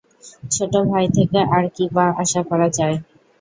ছোট ভাই থেকে আর কীই আশা করা যায়?